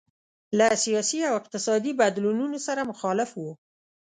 له سیاسي او اقتصادي بدلونونو سره مخالف وو.